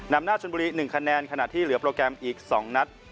นำหน้าชนบุรี๑คะแนนขณะที่เหลือโปรแกรมอีก๒นัด